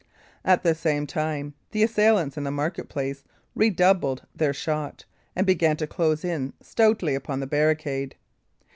At the same time, the assailants in the market place redoubled their shot, and began to close in stoutly upon the barricade.